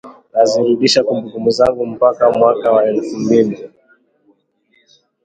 Nazirudisha kumbukumbu zangu mpaka mwaka wa elfu mbili